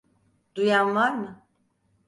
Duyan var mı?